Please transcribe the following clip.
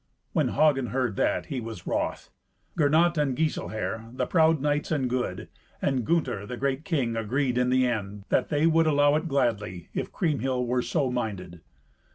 When Hagen heard that, he was wroth. Gernot and Giselher, the proud knights and good, and Gunther, the great king, agreed in the end, that they would allow it gladly, if Kriemhild were so minded.